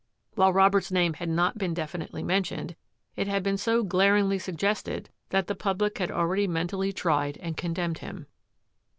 While Robert's name had not been definitely mentioned, it had been so glaringly suggested that the public had already mentally tried and condemned him.